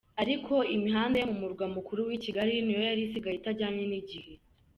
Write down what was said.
Ariko imihanda yo mu Murwa mukuru Kigali niyo yari isigaye itajyanye n’igihe.